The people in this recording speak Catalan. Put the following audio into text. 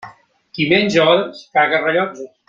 Qui menja hores, caga rellotges.